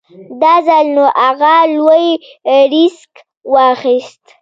دا ځل نو اغه لوی ريسک واخېست.